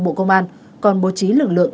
bộ công an còn bố trí lực lượng